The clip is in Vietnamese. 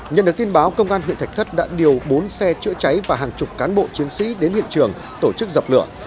nhận được tin báo công an huyện thạch thất đã điều bốn xe chữa cháy và hàng chục cán bộ chiến sĩ đến hiện trường tổ chức dập lửa